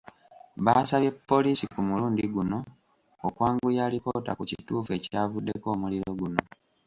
Baasabye poliisi ku mulundi guno okwanguya alipoota ku kituufu ekyavuddeko omuliro guno.